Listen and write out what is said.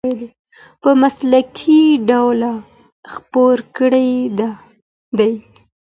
په مسلکي ډول خپرې کړې دي.